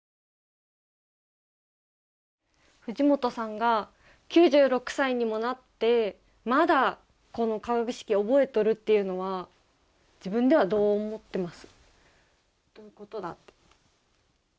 藤本さんが９６歳にもなってまだこの化学式を覚えとるっていうのは自分ではどう思ってます？